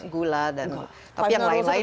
gak makan gula dan